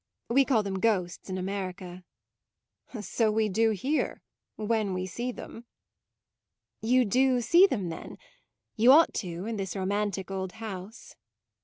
We call them ghosts in America." "So we do here, when we see them." "You do see them then? You ought to, in this romantic old house."